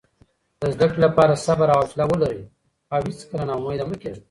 د زده کړې لپاره صبر او حوصله ولره او هیڅکله نا امیده مه کېږه.